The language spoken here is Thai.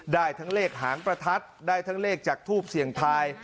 ได้ทั้งเลขหางประทัดได้ทั้งเลขจากทูปเสี่ยงทาย